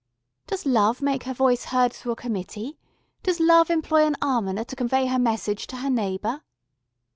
Does Love make her voice heard through a committee, does Love employ an almoner to convey her message to her neighbour?"